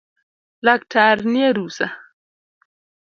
Laktar nie rusaa